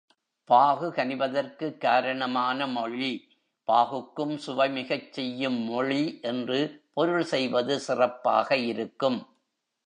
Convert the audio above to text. பாகு கனிவதற்குக் காரணமான மொழி, பாகுக்கும் சுவை மிகச் செய்யும் மொழி என்று பொருள் செய்வது சிறப்பாக இருக்கும்.